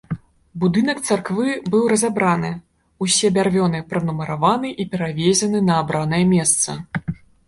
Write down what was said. Будынак царквы быў разабрана, усе бярвёны пранумараваны і перавезены на абранае месца.